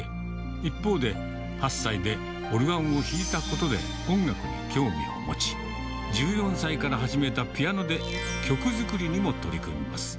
一方で、８歳でオルガンを弾いたことで音楽に興味を持ち、１４歳から始めたピアノで曲作りにも取り組みます。